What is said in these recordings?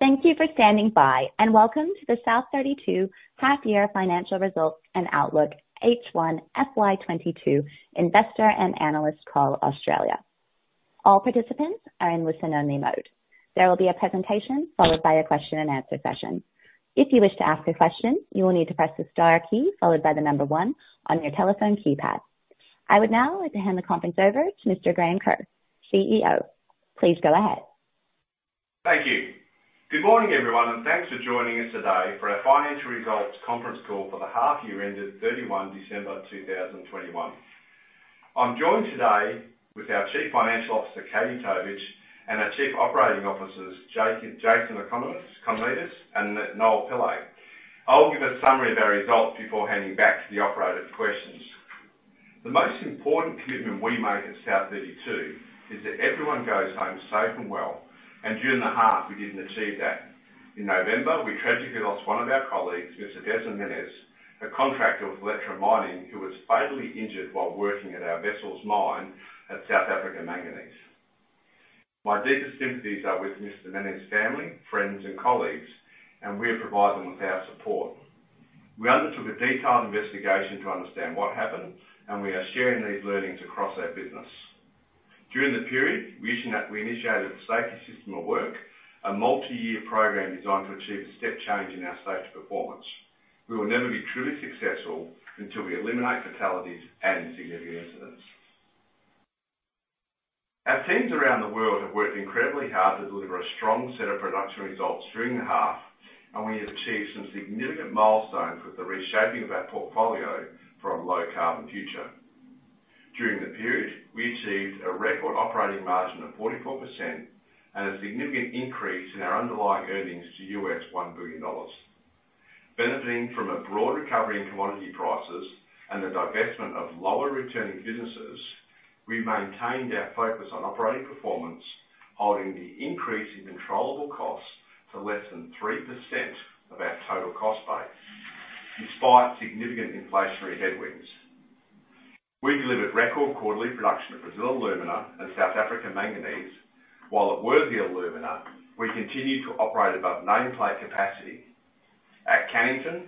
Thank you for standing by, and welcome to the South32 Half-Year Financial Results and Outlook H1FY22 Investor and Analyst Call, Australia. All participants are in listen-only mode. There will be a presentation followed by a question-and-answer session. If you wish to ask a question, you will need to press the star key followed by the number one on your telephone keypad. I would now like to hand the conference over to Mr. Graham Kerr, CEO. Please go ahead. Thank you. Good morning, everyone, and thanks for joining us today for our Financial Results Conference Call for the half-year ended 31 December 2021. I'm joined today with our Chief Financial Officer, Katie Tovich, and our Chief Operating Officers, Jason Economidis, and Noel Pillay. I'll give a summary of our results before handing back to the Operator' questions. The most important commitment we make at South32 is that everyone goes home safe and well, and during the half, we didn't achieve that. In November, we tragically lost one of our colleagues, Mr. Des Menes, a contractor with Laterite Mining who was fatally injured while working at our Wessels Mine at South Africa Manganese. My deepest sympathies are with Mr. Menes' family, friends, and colleagues, and we'll provide them with our support. We undertook a detailed investigation to understand what happened, and we are sharing these learnings across our business. During the period, we initiated a Safety System of Work, a multi-year program designed to achieve a step change in our safety performance. We will never be truly successful until we eliminate fatalities and significant incidents. Our teams around the world have worked incredibly hard to deliver a strong set of production results during the half, and we have achieved some significant milestones with the reshaping of our portfolio for a low-carbon future. During the period, we achieved a record operating margin of 44% and a significant increase in our underlying earnings to $1 billion. Benefiting from a broad recovery in commodity prices and the divestment of lower-returning businesses, we maintained our focus on operating performance, holding the increase in controllable costs to less than 3% of our total cost base despite significant inflationary headwinds. We delivered record quarterly production of Brazil Alumina and South Africa Manganese. While at Worsley Alumina, we continued to operate above nameplate capacity. At Cannington,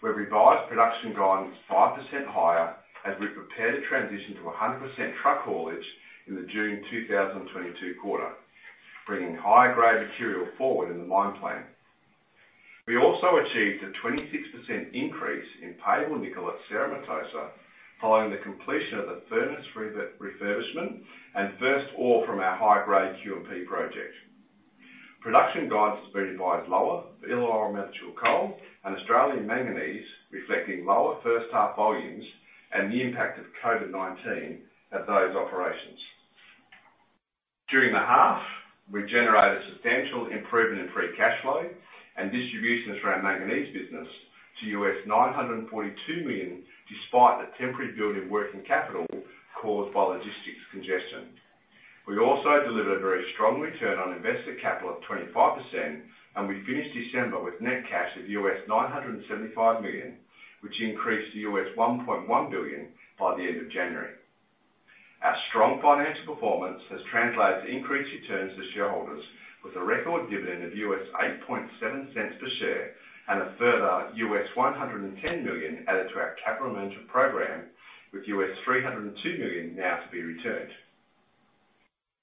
we revised production guidance 5% higher as we prepared a transition to 100% truck haulage in the June 2022 quarter, bringing higher-grade material forward in the mine plan. We also achieved a 26% increase in payable nickel at Cerro Matoso following the completion of the furnace refurbishment and first ore from our high-grade Q&P project. Production guidance has been revised lower for Illawarra Metallurgical Coal and Australia Manganese, reflecting lower first-half volumes and the impact of COVID-19 at those operations. During the half, we generated a substantial improvement in free cash flow and distribution for our manganese business to $942 million despite the temporary build in working capital caused by logistics congestion. We also delivered a very strong return on invested capital of 25%, and we finished December with net cash of $975 million, which increased to $1.1 billion by the end of January. Our strong financial performance has translated increased returns to shareholders with a record dividend of $0.87 per share and a further $110 million added to our capital management program, with $302 million now to be returned.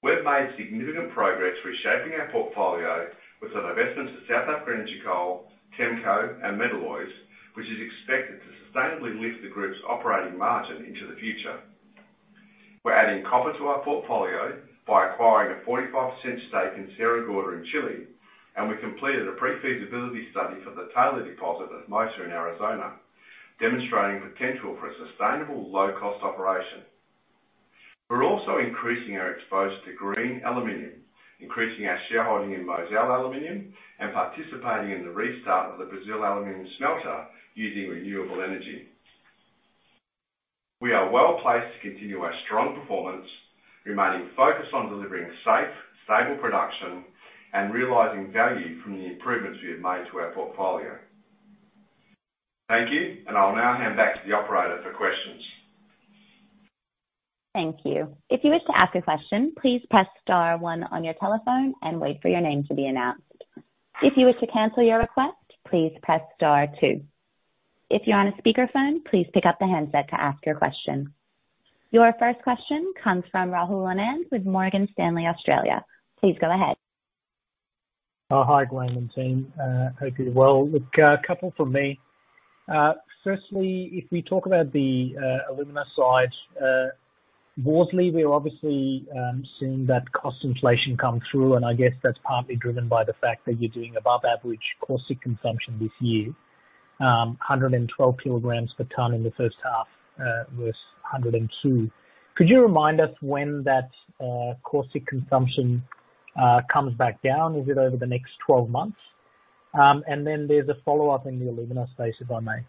We've made significant progress reshaping our portfolio with a divestment to South Africa Energy Coal, TEMCO, and Metalloys, which is expected to sustainably lift the group's operating margin into the future. We're adding copper to our portfolio by acquiring a 45% stake in Sierra Gorda, in Chile, and we completed a pre-feasibility study for the Taylor deposit at Hermosa in Arizona, demonstrating potential for a sustainable low-cost operation. We're also increasing our exposure to green aluminum, increasing our shareholding in Mozal Aluminium, and participating in the restart of the Brazil Aluminium smelter using renewable energy. We are well placed to continue our strong performance, remaining focused on delivering safe, stable production, and realizing value from the improvements we have made to our portfolio. Thank you, and I'll now hand back to the operator for questions. Thank you. If you wish to ask a question, please press star one on your telephone and wait for your name to be announced. If you wish to cancel your request, please press star two. If you're on a speakerphone, please pick up the handset to ask your question. Your first question comes from Rahul Anand with Morgan Stanley, Australia. Please go ahead. Hi, Graham and team. Hope you're well. Look, a couple for me. Firstly, if we talk about the alumina side, Worsley, we're obviously seeing that cost inflation come through, and I guess that's partly driven by the fact that you're doing above-average caustic consumption this year. 112 kilograms per ton in the first half was 102. Could you remind us when that caustic consumption comes back down? Is it over the next 12 months? And then there's a follow-up in the alumina space, if I may.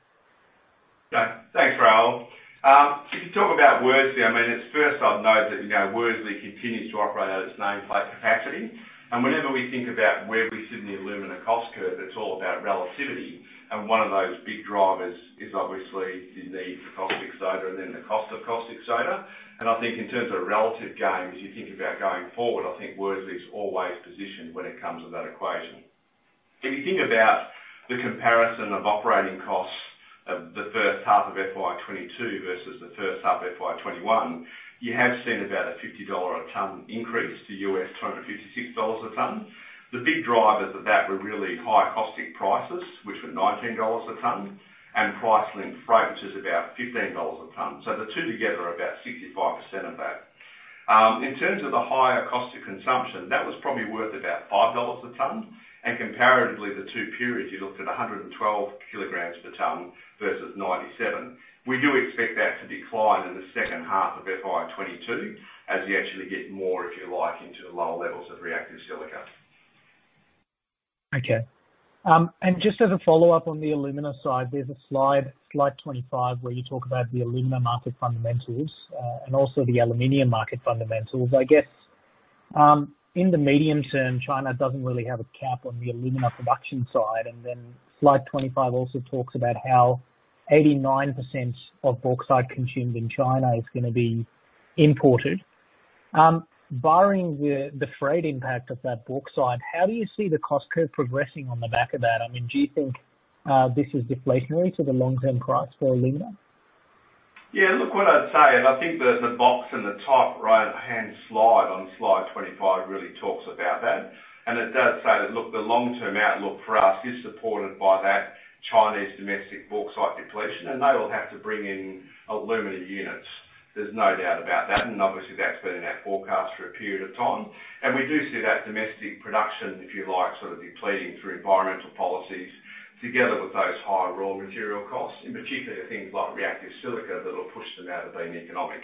Thanks, Rahul. If you talk about Worsley, I mean, it's first I'd note that Worsley continues to operate at its nameplate capacity. Whenever we think about where we sit in the alumina cost curve, it's all about relativity, and one of those big drivers is obviously the need for caustic soda, and then the cost of caustic soda. I think in terms of relative gain, as you think about going forward, I think Worsley's always positioned when it comes to that equation. If you think about the comparison of operating costs of the first half of FY 2022 versus the first half of FY 2021, you have seen about a $50/ton increase to $256/ton. The big drivers of that were really high caustic prices, which were $19/ton, and price linked freight, which is about $15/ton. So the two together are about 65% of that. In terms of the higher caustic consumption, that was probably worth about $5 a ton. And comparatively, the two periods you looked at 112 kilograms per ton versus 97. We do expect that to decline in the second half of FY 2022 as you actually get more, if you like, into lower levels of reactive silica. Okay. And just as a follow-up on the alumina side, there's a slide, slide 25, where you talk about the alumina market fundamentals and also the aluminium market fundamentals. I guess in the medium term, China doesn't really have a cap on the alumina production side. And then slide 25 also talks about how 89% of bauxite consumed in China is going to be imported. Barring the freight impact of that bauxite, how do you see the cost curve progressing on the back of that? I mean, do you think this is deflationary to the long-term price for alumina? Yeah, look, what I'd say, and I think that the box in the top right-hand slide on slide 25 really talks about that. And it does say that, look, the long-term outlook for us is supported by that Chinese domestic bauxite depletion, and they will have to bring in alumina units. There's no doubt about that. And obviously, that's been in our forecast for a period of time. And we do see that domestic production, if you like, sort of depleting through environmental policies together with those higher raw material costs, in particular things like reactive silica that will push them out of being economic.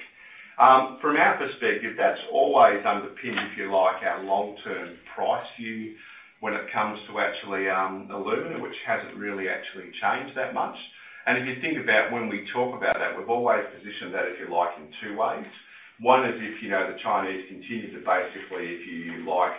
From our perspective, that's always underpinned, if you like, our long-term price view when it comes to actually alumina, which hasn't really actually changed that much. And if you think about when we talk about that, we've always positioned that, if you like, in two ways. One is if the Chinese continue to basically, if you like,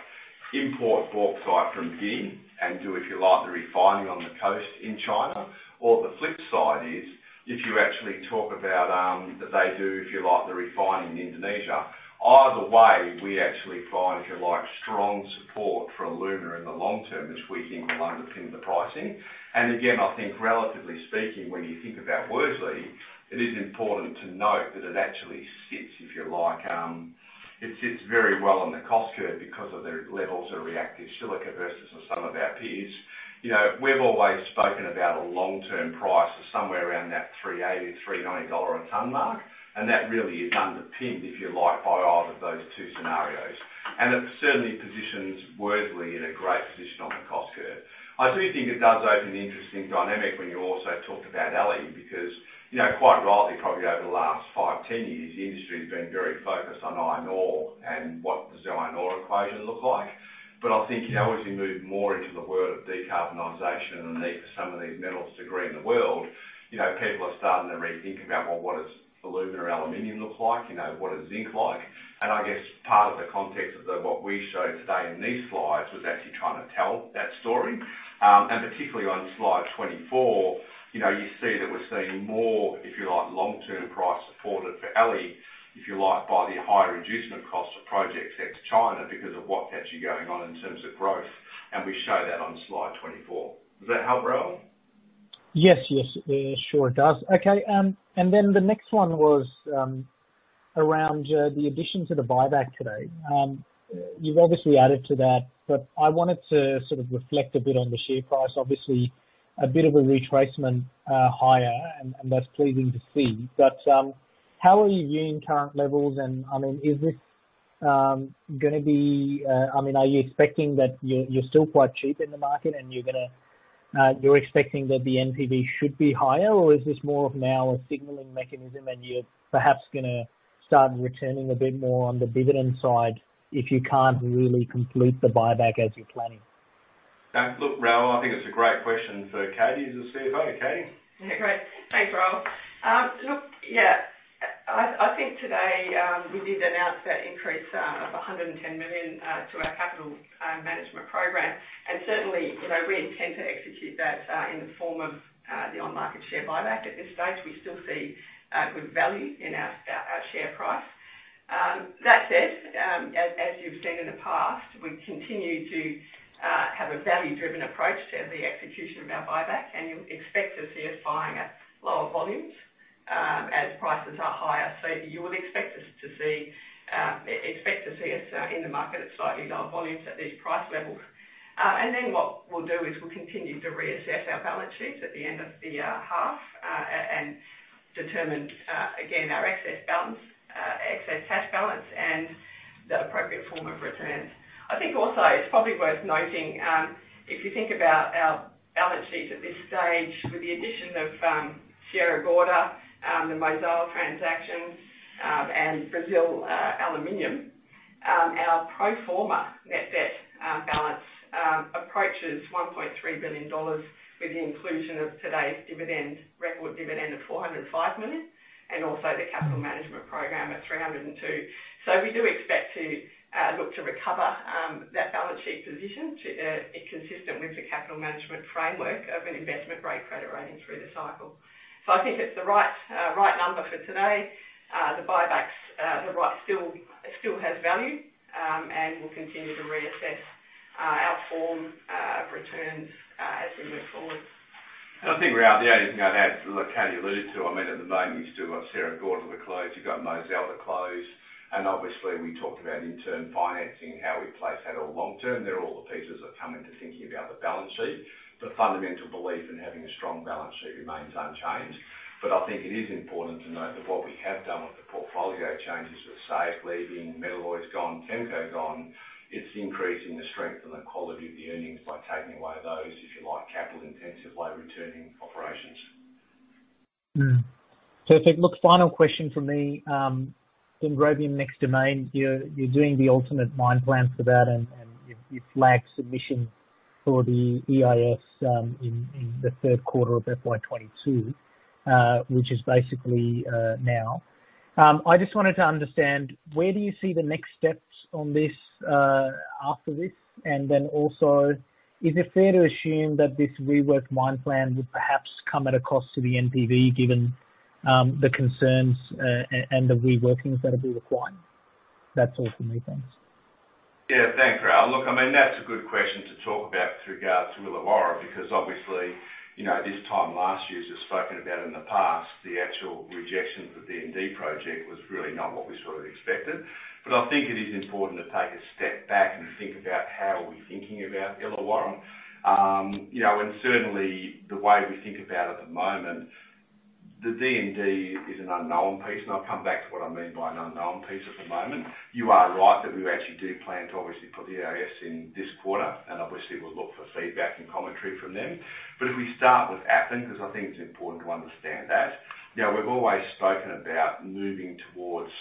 import bauxite from Guinea and do, if you like, the refining on the coast in China. Or the flip side is if you actually talk about that they do, if you like, the refining in Indonesia. Either way, we actually find, if you like, strong support for alumina in the long term which we think will underpin the pricing. And again, I think relatively speaking, when you think about Worsley, it is important to note that it actually sits, if you like, it sits very well on the cost curve because of the levels of reactive silica versus some of our peers. We've always spoken about a long-term price of somewhere around that $380-$390 a ton mark, and that really is underpinned, if you like, by either of those two scenarios, and it certainly positions Worsley in a great position on the cost curve. I do think it does open an interesting dynamic when you also talked about alloy because quite rightly, probably over the last five, 10 years, the industry has been very focused on iron ore and what does the iron ore equation look like, but I think as we move more into the world of decarbonisation and the need for some of these metals to green the world, people are starting to rethink about, well, what does alumina or aluminium look like? What is zinc like? and I guess part of the context of what we showed today in these slides was actually trying to tell that story. And particularly on slide 24, you see that we're seeing more, if you like, long-term price support for alloy, if you like, by the higher inducement cost of projects in China because of what's actually going on in terms of growth. And we show that on slide 24. Does that help, Rahul? Yes, yes, sure does. Okay. And then the next one was around the addition to the buyback today. You've obviously added to that, but I wanted to sort of reflect a bit on the share price. Obviously, a bit of a retracement higher, and that's pleasing to see. But how are you viewing current levels? And I mean, is this going to be I mean, are you expecting that you're still quite cheap in the market and you're going to you're expecting that the NPV should be higher, or is this more of now a signaling mechanism and you're perhaps going to start returning a bit more on the dividend side if you can't really complete the buyback as you're planning? Look, Rahul, I think it's a great question for Katie. Is the CFO, Katie? Yeah, great. Thanks, Rahul. Look, yeah, I think today we did announce that increase of $110 million to our capital management program. And certainly, we intend to execute that in the form of the on-market share buyback. At this stage, we still see good value in our share price. That said, as you've seen in the past, we continue to have a value-driven approach to the execution of our buyback, and you'll expect to see us buying at lower volumes as prices are higher. So you would expect to see us in the market at slightly lower volumes at these price levels. And then what we'll do is we'll continue to reassess our balance sheets at the end of the half and determine, again, our excess balance, excess cash balance, and the appropriate form of returns. I think also it's probably worth noting if you think about our balance sheet at this stage with the addition of Sierra Gorda, the Mozal transaction, and Brazil Aluminium, our pro forma net debt balance approaches $1.3 billion with the inclusion of today's record dividend of $405 million and also the capital management program at $302. So we do expect to look to recover that balance sheet position consistent with the capital management framework of an investment-grade credit rating through the cycle. So I think it's the right number for today. The buyback still has value, and we'll continue to reassess our form of returns as we move forward. I think, Rahul, the only thing I'd add, look, Katie alluded to, I mean, at the moment you still got Sierra Gorda to close. You've got Mozal Aluminium to close. And obviously, we talked about interim financing and how we place that all long term. They're all the pieces that come into thinking about the balance sheet. The fundamental belief in having a strong balance sheet remains unchanged. But I think it is important to note that what we have done with the portfolio changes with South Africa Energy Coal, Metalloys gone, TEMCO gone, it's increasing the strength and the quality of the earnings by taking away those, if you like, capital-intensive low-returning operations. Perfect. Look, final question for me. Then Graham, the Hermosa mine, you're doing the updated mine plan for that, and you flagged submission for the EIS in the third quarter of FY 2022, which is basically now. I just wanted to understand where do you see the next steps on this after this? And then also, is it fair to assume that this reworked mine plan would perhaps come at a cost to the NPV given the concerns and the reworkings that will be required? That's all for me. Thanks. Yeah, thanks, Rahul. Look, I mean, that's a good question to talk about with regard to Illawarra because obviously, this time last year, as we've spoken about in the past, the actual rejection of the DND project was really not what we sort of expected, but I think it is important to take a step back and think about how are we thinking about Illawarra. And certainly, the way we think about it at the moment, the DND is an unknown piece, and I'll come back to what I mean by an unknown piece at the moment. You are right that we actually do plan to obviously put the EIS in this quarter, and obviously, we'll look for feedback and commentary from them. But if we start with Appin, because I think it's important to understand that, we've always spoken about moving towards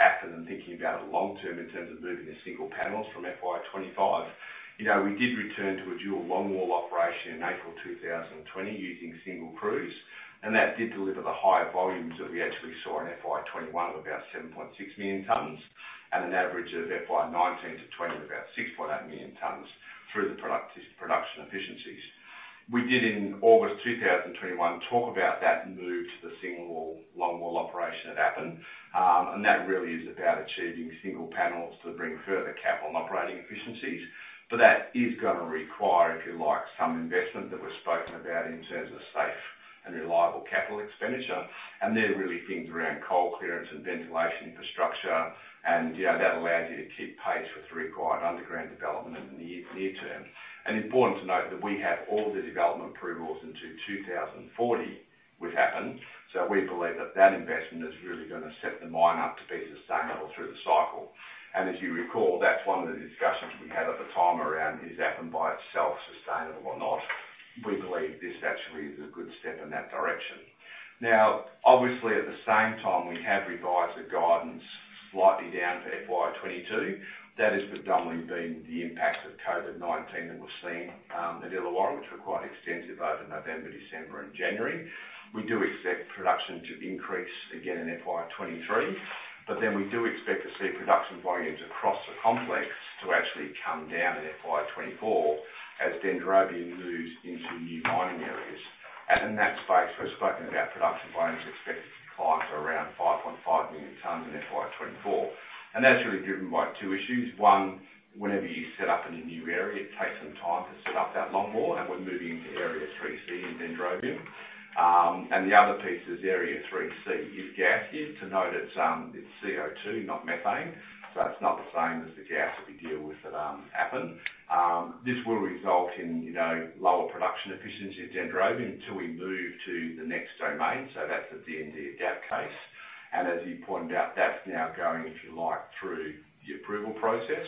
Appin and thinking about it long term in terms of moving the single panels from FY 2025. We did return to a dual long wall operation in April 2020 using single crews, and that did deliver the higher volumes that we actually saw in FY 2021 of about 7.6 million tons and an average of FY 2019 to 2020 of about 6.8 million tons through the production efficiencies. We did in August 2021 talk about that move to the single long wall operation at Appin, and that really is about achieving single panels to bring further capital and operating efficiencies. But that is going to require, if you like, some investment that we've spoken about in terms of safe and reliable capital expenditure. And there are really things around coal clearance and ventilation infrastructure, and that allows you to keep pace with the required underground development in the near term. And important to note that we have all the development approvals until 2040 with Appin. So we believe that that investment is really going to set the mine up to be sustainable through the cycle. And as you recall, that's one of the discussions we had at the time around is Appin by itself sustainable or not. We believe this actually is a good step in that direction. Now, obviously, at the same time, we have revised the guidance slightly down to FY 2022. That has predominantly been the impact of COVID-19 that we've seen at Illawarra, which were quite extensive over November, December, and January. We do expect production to increase again in FY 2023, but then we do expect to see production volumes across the complex to actually come down in FY 2024 as then Appin moves into new mining areas. And in that space, we've spoken about production volumes expected to climb to around 5.5 million tons in FY 2024. And that's really driven by two issues. One, whenever you set up in a new area, it takes some time to set up that longwall, and we're moving into Area 3C in Dendrobium. And the other piece is Area 3C is gas. To note it's CO2, not methane, so it's not the same as the gas that we deal with at Appin. This will result in lower production efficiency at Dendrobium until we move to the next domain. So that's the DND gap case. As you pointed out, that's now going, if you like, through the approval process.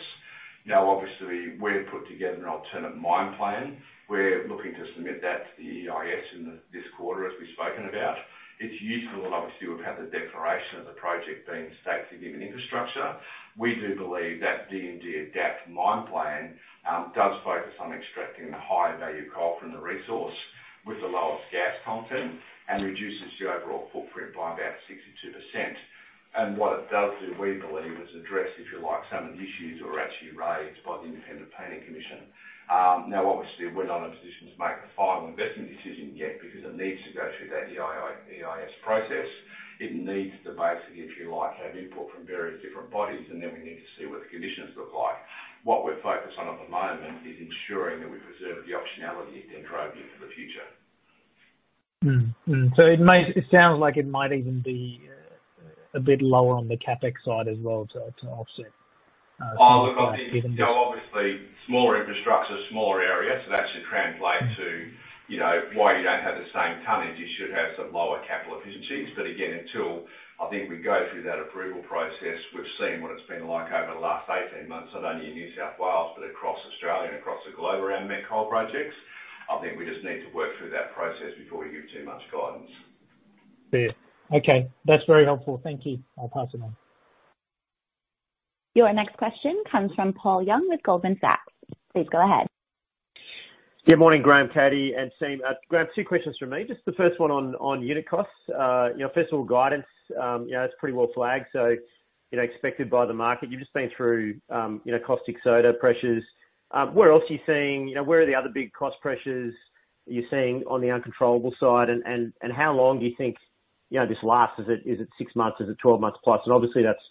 Now, obviously, we've put together an alternate mine plan. We're looking to submit that to the EIS in this quarter, as we've spoken about. It's useful that obviously we've had the declaration of the project being safe to give an infrastructure. We do believe that Dendrobium Next Domain mine plan does focus on extracting the higher value coal from the resource with the lowest gas content and reduces the overall footprint by about 62%. What it does do, we believe, is address, if you like, some of the issues that were actually raised by the Independent Planning Commission. Now, obviously, we're not in a position to make a final investment decision yet because it needs to go through that EIS process. It needs to basically, if you like, have input from various different bodies, and then we need to see what the conditions look like. What we're focused on at the moment is ensuring that we preserve the optionality at Dendrobium for the future. So it sounds like it might even be a bit lower on the CapEx side as well to offset even this. Look, I think obviously, smaller infrastructure, smaller area, so that should translate to why you don't have the same tonnage. You should have some lower capital efficiencies. But again, until I think we go through that approval process, we've seen what it's been like over the last 18 months, not only in New South Wales, but across Australia and across the globe around met coal projects. I think we just need to work through that process before we give too much guidance. Fair. Okay. That's very helpful. Thank you. I'll pass it on. Your next question comes from Paul Young with Goldman Sachs. Please go ahead. Good morning, Graham, Katie, and team. Graham, two questions from me. Just the first one on unit costs. First of all, guidance, it's pretty well flagged. So expected by the market, you've just been through cost exogenous pressures. Where else are you seeing? Where are the other big cost pressures you're seeing on the uncontrollable side? And how long do you think this lasts? Is it six months? Is it 12 months plus? And obviously, that's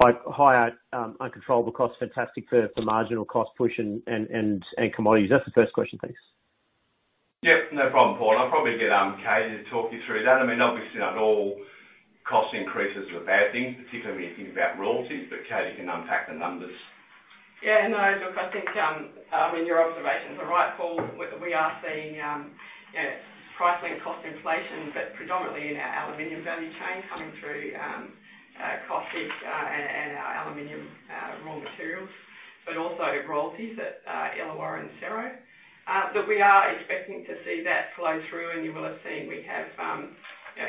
higher uncontrollable costs, fantastic for marginal cost push and commodities. That's the first question. Thanks. Yep. No problem, Paul. And I'll probably get Katie to talk you through that. I mean, obviously, not all cost increases are a bad thing, particularly when you think about royalties, but Katie can unpack the numbers. Yeah. No, look, I think, I mean, your observations are right, Paul. We are seeing price linked cost inflation, but predominantly in our aluminium value chain coming through cost and our aluminium raw materials, but also royalties at Illawarra and Cerro Matoso. But we are expecting to see that flow through, and you will have seen we have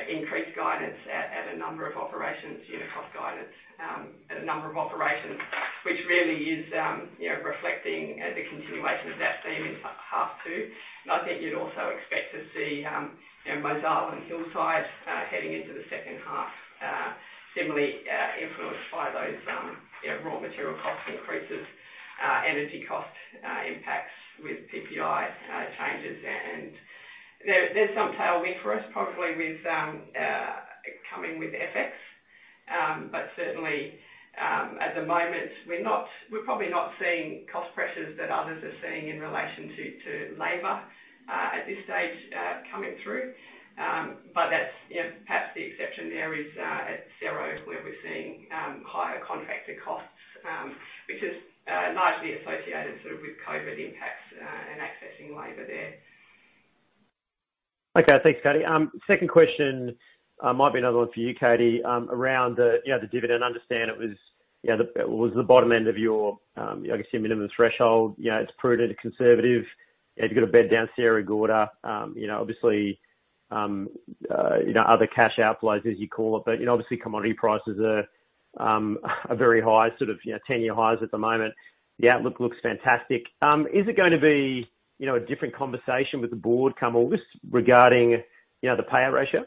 increased guidance at a number of operations, unit cost guidance at a number of operations, which really is reflecting the continuation of that theme in half two. And I think you'd also expect to see Mozal and Hillside heading into the second half similarly influenced by those raw material cost increases, energy cost impacts with PPI changes. And there's some tailwind for us probably coming with FX. But certainly, at the moment, we're probably not seeing cost pressures that others are seeing in relation to labor at this stage coming through. But perhaps the exception there is at Cerro where we're seeing higher contractor costs, which is largely associated sort of with COVID impacts and accessing labor there. Okay. Thanks, Katie. Second question might be another one for you, Katie, around the dividend. I understand it was the bottom end of your, I guess, your minimum threshold. It's prudent and conservative. You've got to bed down Sierra Gorda. Obviously, other cash outflows, as you call it. But obviously, commodity prices are very high, sort of 10-year highs at the moment. The outlook looks fantastic. Is it going to be a different conversation with the board come August regarding the payout ratio?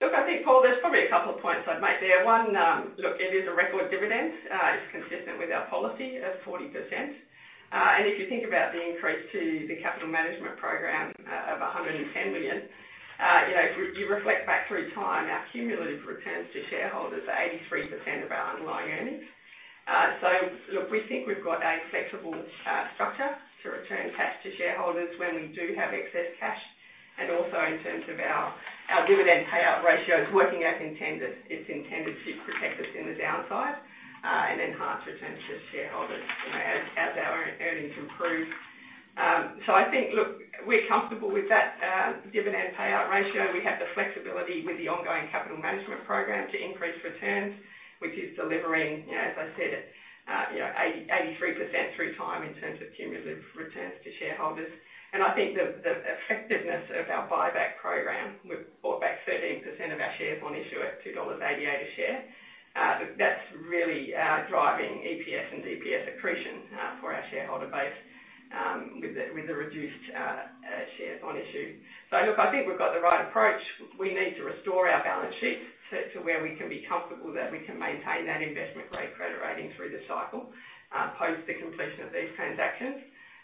Look, I think, Paul, there's probably a couple of points I'd make there. One, look, it is a record dividend. It's consistent with our policy of 40%. And if you think about the increase to the capital management program of $110 million, if you reflect back through time, our cumulative returns to shareholders are 83% of our underlying earnings. So look, we think we've got a flexible structure to return cash to shareholders when we do have excess cash. And also, in terms of our dividend payout ratio, it's working as intended. It's intended to protect us in the downside and enhance returns to shareholders as our earnings improve. So I think, look, we're comfortable with that dividend payout ratio. We have the flexibility with the ongoing capital management program to increase returns, which is delivering, as I said, 83% through time in terms of cumulative returns to shareholders. I think the effectiveness of our buyback program. We've bought back 13% of our shares on issue at $2.88 a share. That's really driving EPS and DPS accretion for our shareholder base with the reduced shares on issue. Look, I think we've got the right approach. We need to restore our balance sheet to where we can be comfortable that we can maintain that investment-grade credit rating through the cycle post the completion of these transactions,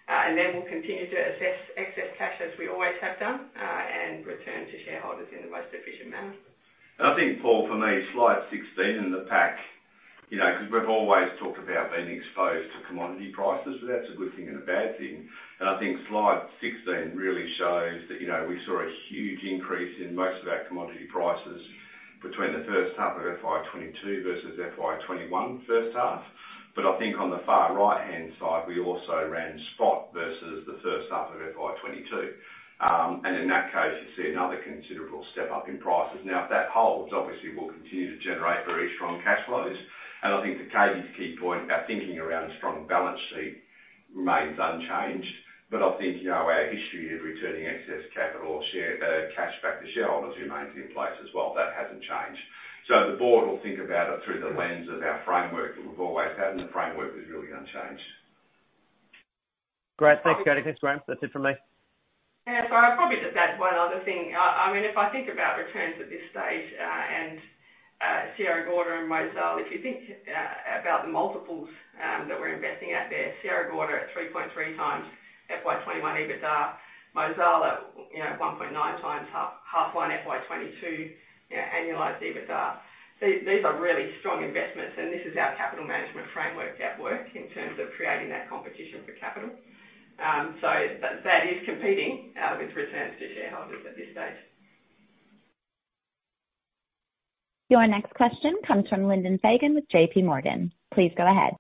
then we'll continue to assess excess cash as we always have done and return to shareholders in the most efficient manner. I think, Paul, for me, slide 16 in the pack, because we've always talked about being exposed to commodity prices, but that's a good thing and a bad thing. And I think slide 16 really shows that we saw a huge increase in most of our commodity prices between the first half of FY 2022 versus FY 2021 first half. But I think on the far right-hand side, we also ran spot versus the first half of FY 2022. And in that case, you see another considerable step up in prices. Now, if that holds, obviously, we'll continue to generate very strong cash flows. And I think Katie's key point about thinking around a strong balance sheet remains unchanged. But I think our history of returning excess capital or cash back to shareholders remains in place as well. That hasn't changed. So the board will think about it through the lens of our framework that we've always had, and the framework is really unchanged. Great. Thanks, Katie. Thanks, Graham. That's it from me. Yeah. So I'll probably just add one other thing. I mean, if I think about returns at this stage and Sierra Gorda and Mozal, if you think about the multiples that we're investing at there, Sierra Gorda at 3.3 times FY 2021 EBITDA, Mozal at 1.9 times half one FY 2022 annualized EBITDA. These are really strong investments, and this is our capital management framework at work in terms of creating that competition for capital. So that is competing with returns to shareholders at this stage. Your next question comes from Lyndon Fagan with J.P. Morgan. Please go ahead.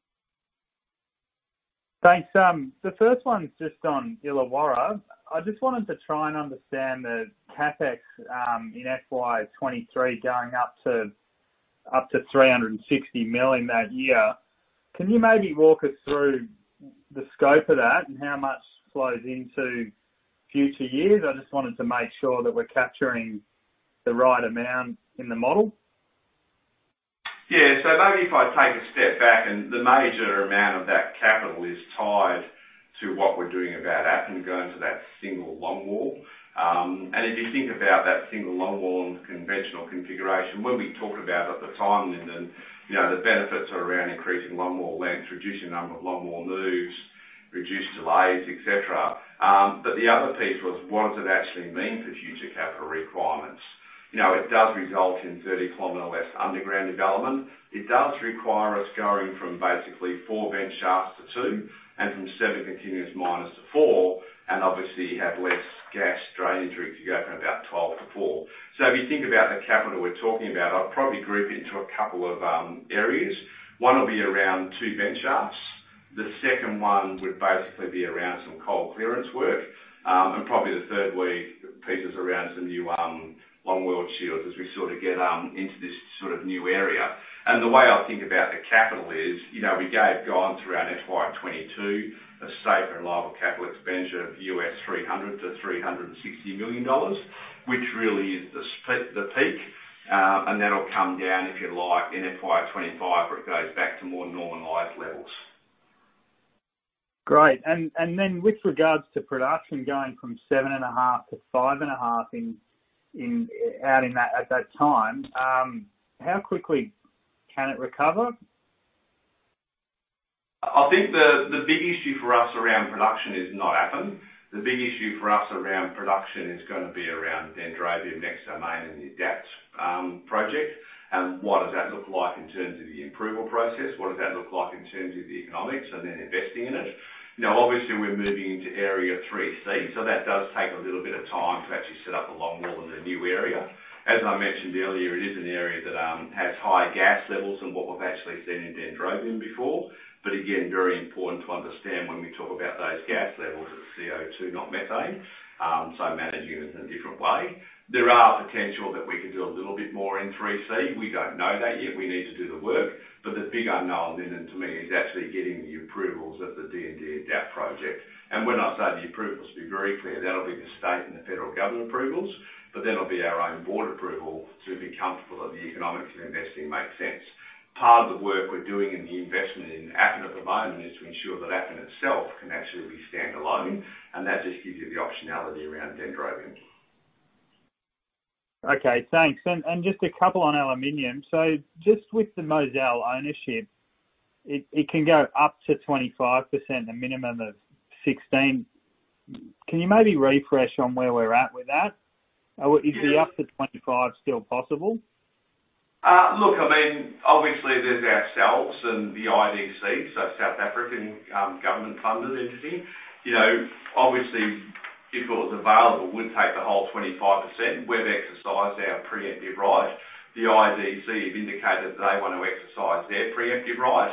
Thanks. The first one's just on Illawarra. I just wanted to try and understand the CapEx in FY 2023 going up to $360 million that year. Can you maybe walk us through the scope of that and how much flows into future years? I just wanted to make sure that we're capturing the right amount in the model. Yeah. So maybe if I take a step back and the major amount of that capital is tied to what we're doing about Appin going to that single long wall. And if you think about that single long wall in the conventional configuration, when we talked about it at the time, Lyndon, the benefits are around increasing long wall length, reducing the number of long wall moves, reduced delays, etc. But the other piece was, what does it actually mean for future capital requirements? It does result in 30 kilometers less underground development. It does require us going from basically four vent shafts to two and from seven continuous miners to four and obviously have less gas drainage rates to go from about 12 to four. So if you think about the capital we're talking about, I'd probably group it into a couple of areas. One will be around two vent shafts. The second one would basically be around some coal clearance work. And probably the third piece is around some new long wall shields as we sort of get into this sort of new area. And the way I think about the capital is we have gone through our FY 2022, a safe and reliable capital expenditure of $300 million-$360 million, which really is the peak. And that'll come down, if you like, in FY 2025, where it goes back to more normalized levels. Great. And then with regards to production going from seven and a half to five and a half out at that time, how quickly can it recover? I think the big issue for us around production is not Appin. The big issue for us around production is going to be around Dendrobium Next Domain and the DND adapt project. And what does that look like in terms of the approval process? What does that look like in terms of the economics and then investing in it? Now, obviously, we're moving into Area 3C. So that does take a little bit of time to actually set up a longwall in a new area. As I mentioned earlier, it is an area that has high gas levels than what we've actually seen in Dendrobium before. But again, very important to understand when we talk about those gas levels of CO2, not methane, so managing it in a different way. There are potential that we could do a little bit more in 3C. We don't know that yet. We need to do the work. But the big unknown, Lyndon, to me, is actually getting the approvals of the DND adapt project. And when I say the approvals, to be very clear, that'll be the state and the federal government approvals, but then it'll be our own board approval to be comfortable that the economics and investing make sense. Part of the work we're doing in the investment in Appin at the moment is to ensure that Appin itself can actually be standalone. And that just gives you the optionality around Dendrobium. Okay. Thanks. And just a couple on aluminium. So just with the Mozal ownership, it can go up to 25%, a minimum of 16%. Can you maybe refresh on where we're at with that? Is the up to 25% still possible? Look, I mean, obviously, there's ourselves and the IDC, so South African government-funded entity. Obviously, if it was available, we'd take the whole 25%. We've exercised our preemptive right. The IDC have indicated that they want to exercise their preemptive right.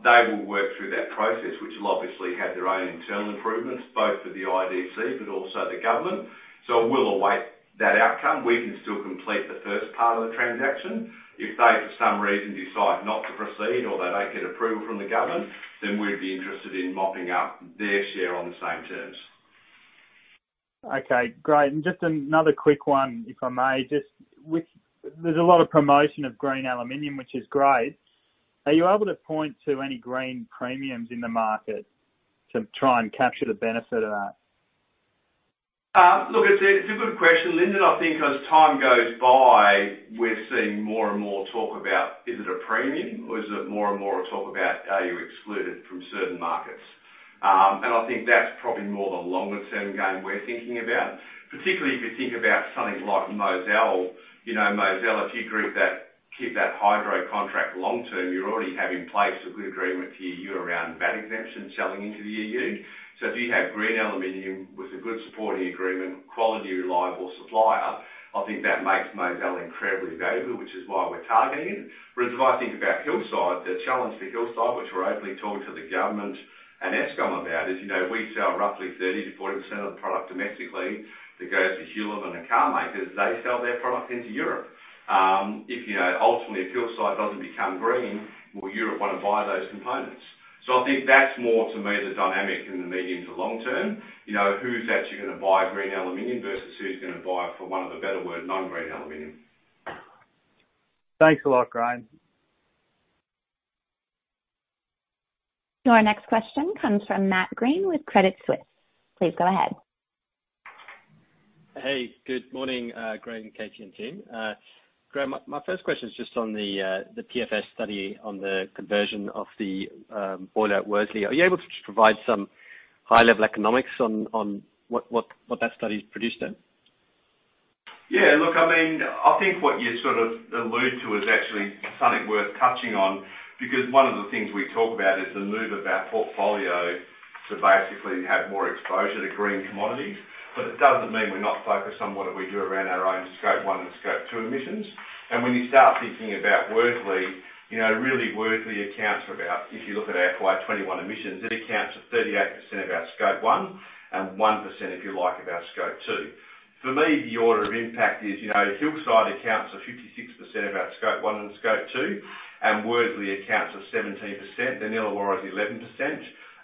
They will work through that process, which will obviously have their own internal improvements, both for the IDC but also the government. So we'll await that outcome. We can still complete the first part of the transaction. If they, for some reason, decide not to proceed or they don't get approval from the government, then we'd be interested in mopping up their share on the same terms. Okay. Great. And just another quick one, if I may. There's a lot of promotion of green aluminium, which is great. Are you able to point to any green premiums in the market to try and capture the benefit of that? Look, it's a good question. Lyndon, I think as time goes by, we're seeing more and more talk about, is it a premium or is it more and more talk about, are you excluded from certain markets? And I think that's probably more the longer-term game we're thinking about, particularly if you think about something like Mozal. Mozal, if you keep that hydro contract long-term, you already have in place a good agreement to EU around VAT exemption selling into the EU. So if you have green aluminium with a good supporting agreement, quality reliable supplier, I think that makes Mozal incredibly valuable, which is why we're targeting it. Whereas if I think about Hillside, the challenge for Hillside, which we're openly talking to the government and Eskom about, is we sell roughly 30%-40% of the product domestically that goes to Hulamin and the car makers. They sell their product into Europe. If ultimately Hillside doesn't become green, will Europe want to buy those components? So I think that's more, to me, the dynamic in the medium to long term. Who's actually going to buy green aluminium versus who's going to buy it, for want of a better word, non-green aluminium? Thanks a lot, Graham. Your next question comes from Matt Green with Credit Suisse. Please go ahead. Hey. Good morning, Graham, Katie, and Tim. Graham, my first question is just on the PFS study on the conversion of the boiler at Worsley. Are you able to provide some high-level economics on what that study's produced then? Yeah. Look, I mean, I think what you sort of alluded to is actually something worth touching on because one of the things we talk about is the move of our portfolio to basically have more exposure to green commodities. But it doesn't mean we're not focused on what we do around our own Scope 1 and Scope 2 emissions. And when you start thinking about Worsley, really Worsley accounts for about, if you look at our FY 2021 emissions, it accounts for 38% of our Scope 1 and 1%, if you like, of our Scope 2. For me, the order of impact is Hillside accounts for 56% of our Scope 1 and Scope 2, and Worsley accounts for 17%. Then Illawarra's 11%.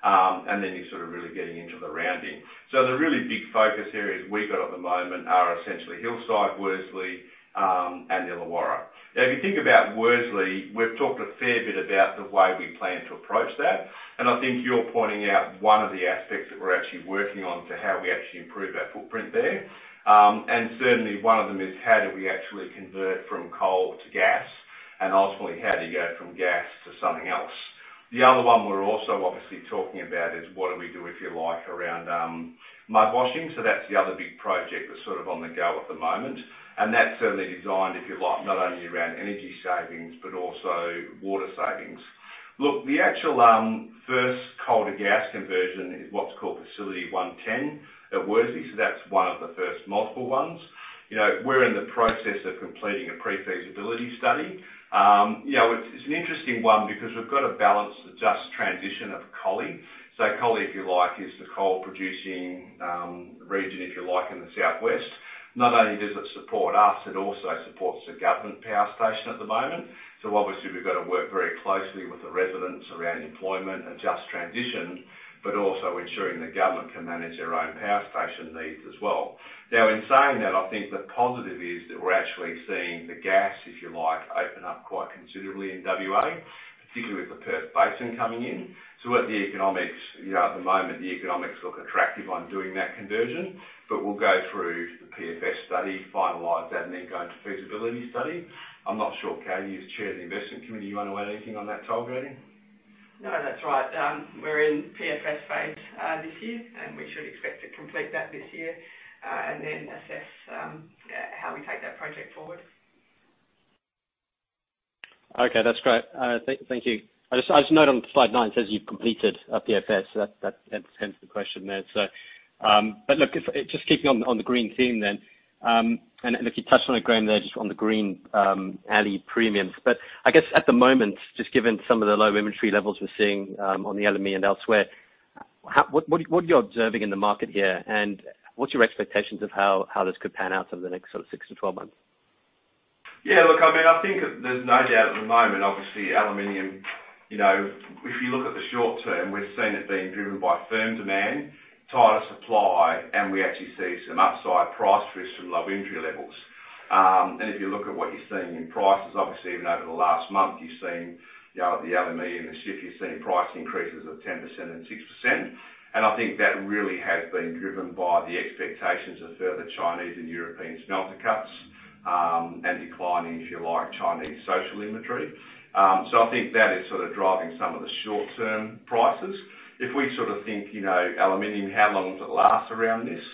And then you're sort of really getting into the rounding. So the really big focus areas we've got at the moment are essentially Hillside, Worsley, and Illawarra. Now, if you think about Worsley, we've talked a fair bit about the way we plan to approach that, and I think you're pointing out one of the aspects that we're actually working on to how we actually improve our footprint there. And certainly, one of them is how do we actually convert from coal to gas and ultimately how do you go from gas to something else? The other one we're also obviously talking about is what do we do, if you like, around mud washing, so that's the other big project that's sort of on the go at the moment, and that's certainly designed, if you like, not only around energy savings but also water savings. Look, the actual first coal to gas conversion is what's called Facility 110 at Worsley, so that's one of the first multiple ones. We're in the process of completing a pre-feasibility study. It's an interesting one because we've got to balance the just transition of Collie. So Collie, if you like, is the coal-producing region, if you like, in the southwest. Not only does it support us, it also supports the government power station at the moment. So obviously, we've got to work very closely with the residents around employment and just transition, but also ensuring the government can manage their own power station needs as well. Now, in saying that, I think the positive is that we're actually seeing the gas, if you like, open up quite considerably in WA, particularly with the Perth Basin coming in. So at the economics, at the moment, the economics look attractive on doing that conversion. But we'll go through the PFS study, finalize that, and then go into feasibility study. I'm not sure, Katie, as Chair of the investment committee, you want to add anything on that, Katie Tovich? No, that's right. We're in PFS phase this year, and we should expect to complete that this year and then assess how we take that project forward. Okay. That's great. Thank you. I just noted on slide nine, it says you've completed a PFS. That's the question there. But look, just keeping on the green theme then. And look, you touched on it, Graham, there just on the green alloy premiums. But I guess at the moment, just given some of the low inventory levels we're seeing on the aluminum elsewhere, what are you observing in the market here? And what's your expectations of how this could pan out over the next sort of six-to-12 months? Yeah. Look, I mean, I think there's no doubt at the moment. Obviously, aluminium, if you look at the short term, we're seeing it being driven by firm demand, tighter supply, and we actually see some upside price risk from low inventory levels. And if you look at what you're seeing in prices, obviously, even over the last month, you've seen the aluminium and the shift. You've seen price increases of 10% and 6%. And I think that really has been driven by the expectations of further Chinese and European smelter cuts and declining, if you like, Chinese social inventory. So I think that is sort of driving some of the short-term prices. If we sort of think aluminium, how long does it last around this?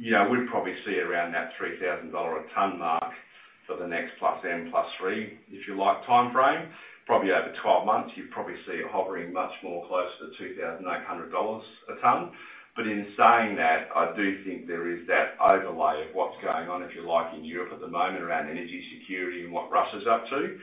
We'd probably see around that $3,000 a ton mark for the next plus M plus 3, if you like, timeframe. Probably over 12 months, you'd probably see it hovering much more close to $2,800 a ton, but in saying that, I do think there is that overlay of what's going on, if you like, in Europe at the moment around energy security and what Russia's up to,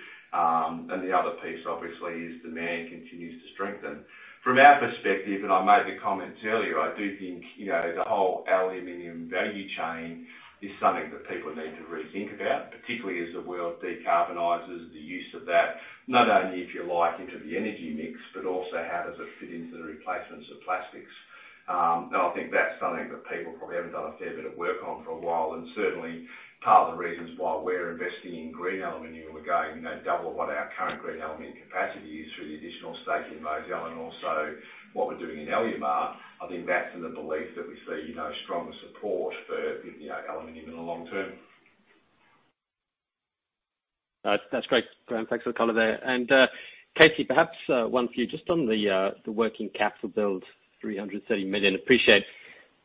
and the other piece, obviously, is demand continues to strengthen. From our perspective, and I made the comments earlier, I do think the whole aluminum value chain is something that people need to rethink about, particularly as the world decarbonizes, the use of that, not only, if you like, into the energy mix, but also how does it fit into the replacements of plastics, and I think that's something that people probably haven't done a fair bit of work on for a while. Certainly, part of the reasons why we're investing in green aluminium and we're going double what our current green aluminium capacity is through the additional stake in Mozal and also what we're doing in Alumar, I think that's in the belief that we see stronger support for aluminium in the long term. That's great. Graham, thanks for the color there. And Katie, perhaps one for you. Just on the working capital build, $330 million, appreciate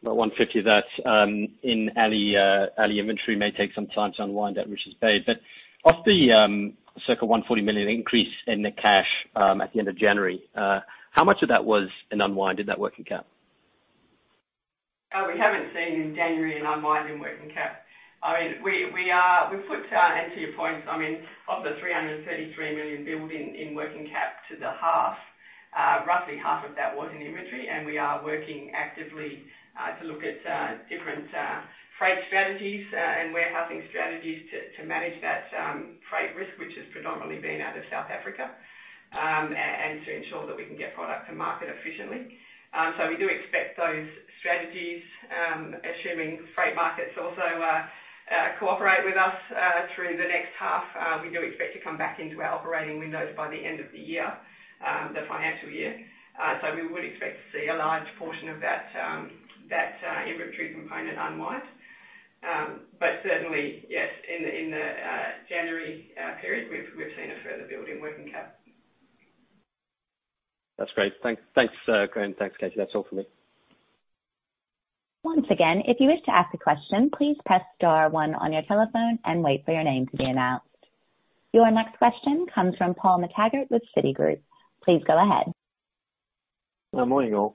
about $150 million of that in alumina inventory. May take some time to unwind that, which is paid. But of the circa $140 million increase in the cash at the end of January, how much of that was an unwind in that working cap? We haven't seen, in January, an unwind in working cap. I mean, we put, and to your points, I mean, of the $333 million built in working cap to the half, roughly half of that was in inventory, and we are working actively to look at different freight strategies and warehousing strategies to manage that freight risk, which has predominantly been out of South Africa, and to ensure that we can get product to market efficiently, so we do expect those strategies, assuming freight markets also cooperate with us through the next half, to come back into our operating windows by the end of the year, the financial year, so we would expect to see a large portion of that inventory component unwind, but certainly, yes, in the January period, we've seen a further build in working cap. That's great. Thanks, Graham. Thanks, Katie. That's all for me. Once again, if you wish to ask a question, please press star one on your telephone and wait for your name to be announced. Your next question comes from Paul McTaggart with Citi. Please go ahead. Good morning, all.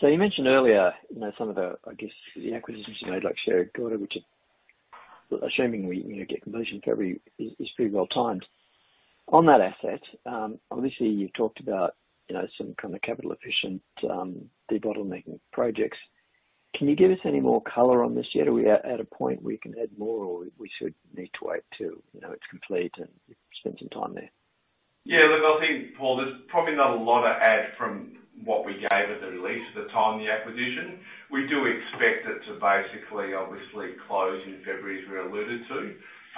So you mentioned earlier some of the, I guess, the acquisitions you made, like Sierra Gorda, which, assuming we get completion in February, is pretty well timed. On that asset, obviously, you've talked about some kind of capital-efficient debottlenecking projects. Can you give us any more color on this yet? Are we at a point where we can add more, or we should need to wait till it's complete and spend some time there? Yeah. Look, I think, Paul, there's probably not a lot to add from what we gave at the release at the time of the acquisition. We do expect it to basically, obviously, close in February as we alluded to.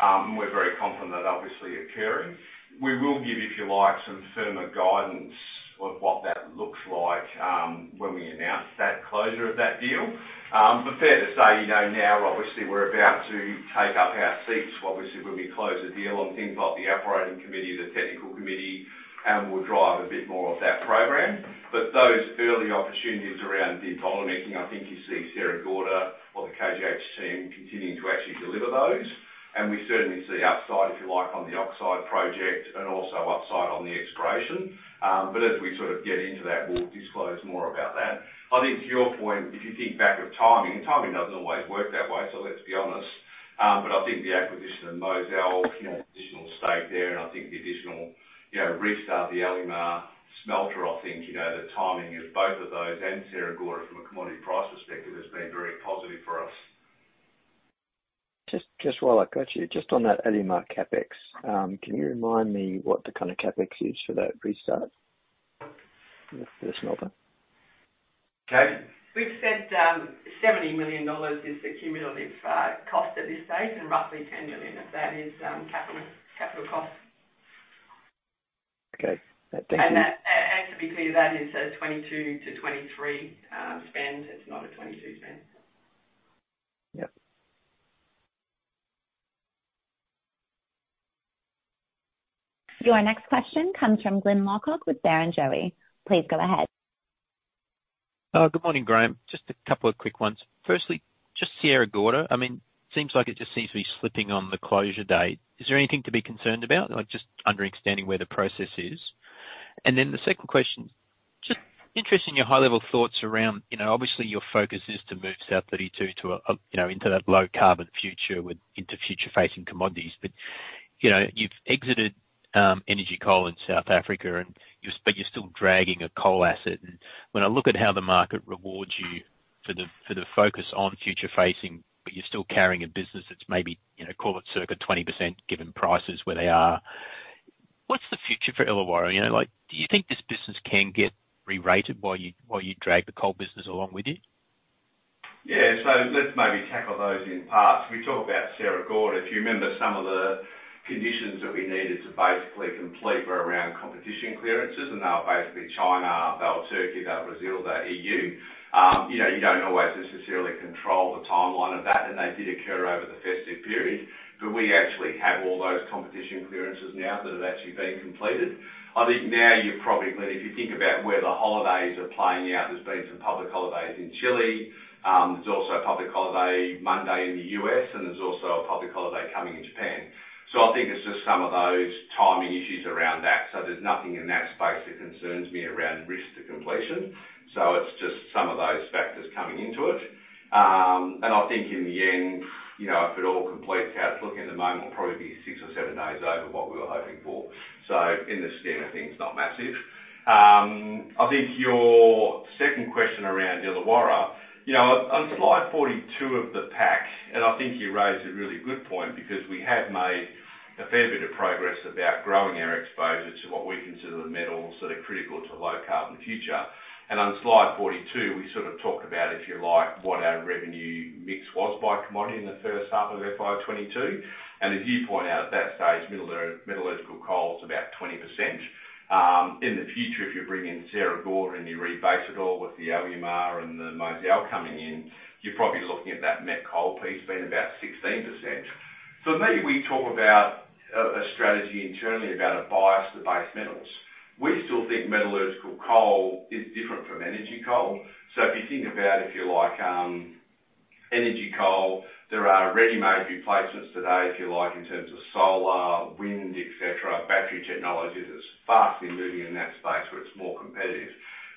And we're very confident that's obviously occurring. We will give, if you like, some firmer guidance of what that looks like when we announce that closure of that deal. But fair to say, now, obviously, we're about to take up our seats, obviously, when we close the deal on things like the operating committee, the technical committee, and we'll drive a bit more of that program. But those early opportunities around debottlenecking, I think you see Sierra Gorda or the KGHM team continuing to actually deliver those. And we certainly see upside, if you like, on the oxide project and also upside on the expansion. But as we sort of get into that, we'll disclose more about that. I think to your point, if you think back of timing, timing doesn't always work that way, so let's be honest. But I think the acquisition of Mozal, additional stake there, and I think the additional restart of the Alumar smelter, I think the timing of both of those and Sierra Gorda from a commodity price perspective has been very positive for us. Just while I cut you, just on that Alumar CapEx, can you remind me what the kind of CapEx is for that restart for the smelter? Katie? We've said $70 million is the cumulative cost at this stage and roughly $10 million of that is capital cost. Okay. Thank you. To be clear, that is a 2022-2023 spend. It's not a 2022 spend. Yep. Your next question comes from Glyn Lawcock with Barrenjoey. Please go ahead. Good morning, Graham. Just a couple of quick ones. Firstly, just Cannington. I mean, it seems like it just seems to be slipping on the closure date. Is there anything to be concerned about, just understanding where the process is? And then the second question's just interested in your high-level thoughts around, obviously, your focus is to move South32 into that low-carbon future with future-facing commodities. But you've exited energy coal in South Africa, but you're still dragging a coal asset. And when I look at how the market rewards you for the focus on future-facing, but you're still carrying a business that's maybe, call it circa 20% given prices where they are, what's the future for Illawarra? Do you think this business can get re-rated while you drag the coal business along with you? Yeah. So let's maybe tackle those in parts. We talk about Sierra Gorda. If you remember, some of the conditions that we needed to basically complete were around competition clearances, and they were basically China, they were Turkey, they were Brazil, they were EU. You don't always necessarily control the timeline of that, and they did occur over the festive period. But we actually have all those competition clearances now that have actually been completed. I think now you've probably gone if you think about where the holidays are playing out, there's been some public holidays in Chile. There's also a public holiday Monday in the U.S., and there's also a public holiday coming in Japan. So I think it's just some of those timing issues around that. So there's nothing in that space that concerns me around risk to completion. So it's just some of those factors coming into it. And I think in the end, if it all completes, looking at the moment, we'll probably be six or seven days over what we were hoping for. So in the scheme of things, not massive. I think your second question around Illawarra, on slide 42 of the pack, and I think you raised a really good point because we have made a fair bit of progress about growing our exposure to what we consider the metals that are critical to low-carbon future. And on slide 42, we sort of talked about, if you like, what our revenue mix was by commodity in the first half of FY 2022. And as you point out, at that stage, metallurgical coal's about 20%. In the future, if you bring in Sierra Gorda and you rebase it all with the Alumar and the Mozal coming in, you're probably looking at that met coal piece being about 16%. So maybe we talk about a strategy internally about a bias to base metals. We still think metallurgical coal is different from energy coal. So if you think about, if you like, energy coal, there are ready-made replacements today, if you like, in terms of solar, wind, etc., battery technologies that are fastly moving in that space where it's more competitive.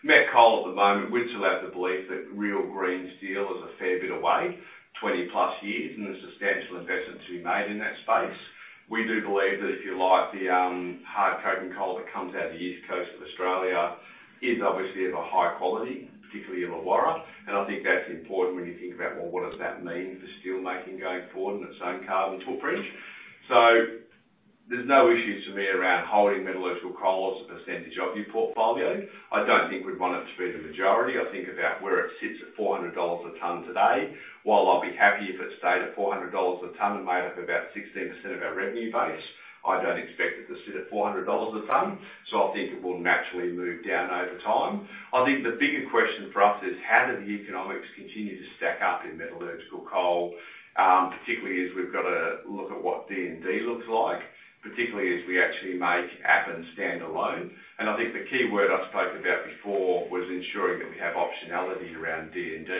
Met coal at the moment would still have the belief that real green steel is a fair bit away, 20-plus years, and there's substantial investment to be made in that space. We do believe that, if you like, the hard coking coal that comes out of the east coast of Australia is obviously of a high quality, particularly Illawarra, and I think that's important when you think about, well, what does that mean for steelmaking going forward and its own carbon footprint, so there's no issues for me around holding metallurgical coal as a percentage of your portfolio. I don't think we'd want it to be the majority. I think about where it sits at $400 a tonne today. While I'd be happy if it stayed at $400 a tonne and made up about 16% of our revenue base, I don't expect it to sit at $400 a tonne, so I think it will naturally move down over time. I think the bigger question for us is, how do the economics continue to stack up in metallurgical coal, particularly as we've got to look at what DND looks like, particularly as we actually make Appin standalone. I think the key word I spoke about before was ensuring that we have optionality around DND.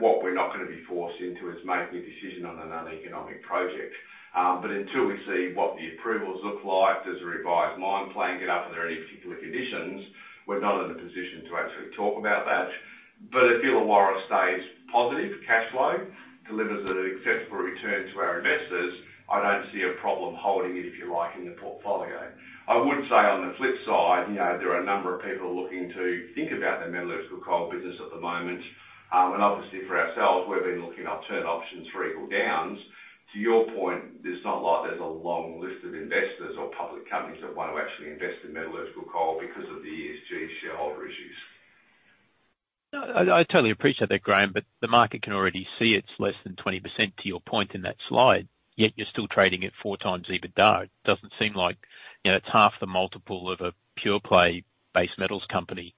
What we're not going to be forced into is making a decision on an uneconomic project. Until we see what the approvals look like, does a revised mine plan get up under any particular conditions, we're not in a position to actually talk about that. If Illawarra stays positive, cash flow, delivers an acceptable return to our investors, I don't see a problem holding it, if you like, in the portfolio. I would say on the flip side, there are a number of people looking to think about the metallurgical coal business at the moment, and obviously, for ourselves, we've been looking at alternate options for Illawarra. To your point, it's not like there's a long list of investors or public companies that want to actually invest in metallurgical coal because of the ESG shareholder issues. I totally appreciate that, Graham. But the market can already see it's less than 20%, to your point, in that slide, yet you're still trading at four times EBITDA. It doesn't seem like it's half the multiple of a pure-play base metals company.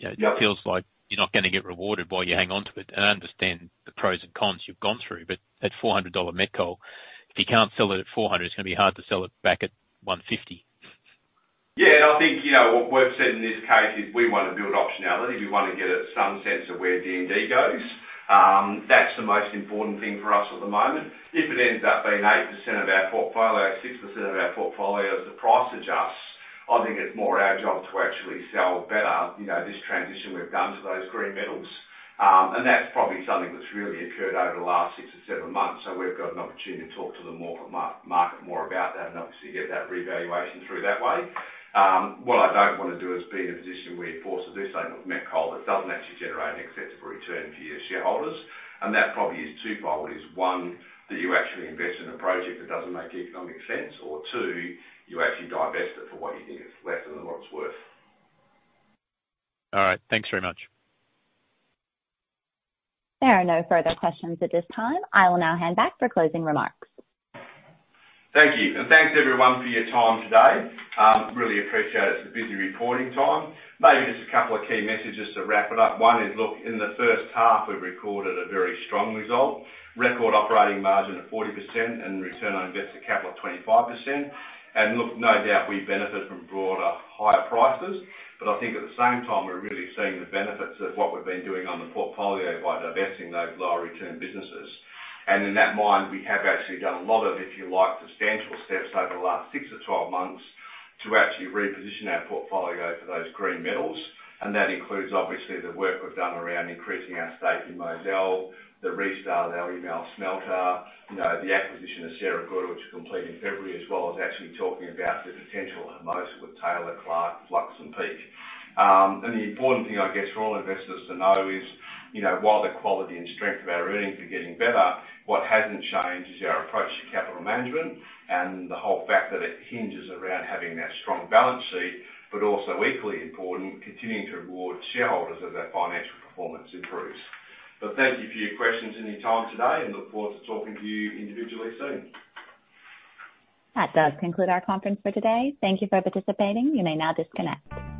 It feels like you're not going to get rewarded while you hang on to it. And I understand the pros and cons you've gone through. But at $400 met coal, if you can't sell it at $400, it's going to be hard to sell it back at $150. Yeah. And I think what we've said in this case is we want to build optionality. We want to get some sense of where DND goes. That's the most important thing for us at the moment. If it ends up being 8% of our portfolio, 6% of our portfolio, as the price adjusts, I think it's more our job to actually sell better this transition we've done to those green metals. And that's probably something that's really occurred over the last six or seven months. So we've got an opportunity to talk to the market more about that and obviously get that revaluation through that way. What I don't want to do is be in a position where you're forced to do something with met coal that doesn't actually generate an acceptable return for your shareholders. And that probably is two-fold. It's one that you actually invest in a project that doesn't make economic sense, or two, you actually divest it for what you think it's less than what it's worth. All right. Thanks very much. There are no further questions at this time. I will now hand back for closing remarks. Thank you. And thanks, everyone, for your time today. Really appreciate it. It's a busy reporting time. Maybe just a couple of key messages to wrap it up. One is, look, in the first half, we've recorded a very strong result, record operating margin of 40% and return on invested capital of 25%. And look, no doubt we benefit from broader, higher prices. But I think at the same time, we're really seeing the benefits of what we've been doing on the portfolio by divesting those low-return businesses. And in that mind, we have actually done a lot of, if you like, substantial steps over the last six-to-12 months to actually reposition our portfolio for those green metals. And that includes, obviously, the work we've done around increasing our stake in Mozal, the restart of Alumar smelter, the acquisition of Sierra Gorda, which will complete in February, as well as actually talking about the potential at Hermosa with Taylor, Clark, Flux, and Peake. And the important thing, I guess, for all investors to know is, while the quality and strength of our earnings are getting better, what hasn't changed is our approach to capital management and the whole fact that it hinges around having that strong balance sheet, but also equally important, continuing to reward shareholders as their financial performance improves. But thank you for your questions any time today and look forward to talking to you individually soon. That does conclude our conference for today. Thank you for participating. You may now disconnect.